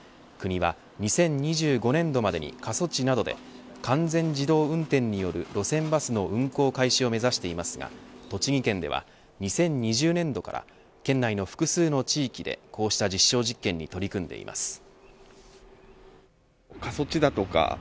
国は２０２５年度までに過疎地などで完全自動運転による路線バスの運行開始を目指していますが栃木県では２０２０年度から県内の複数の地域でこうした実証実験に取り組んでいます。